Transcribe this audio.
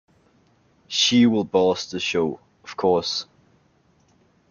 She will boss the show, of course.